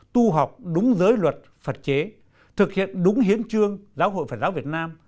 tu học đúng giới luật phật chế thực hiện đúng hiến trương giáo hội phật giáo việt nam